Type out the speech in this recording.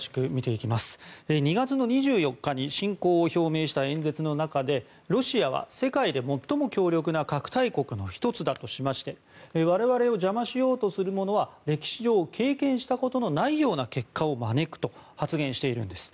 ２月２４日に侵攻を表明した演説の中でロシアは世界で最も強力な核大国の１つだとしまして我々を邪魔しようとする者は歴史上経験したことのないような結果を招くと発言しています。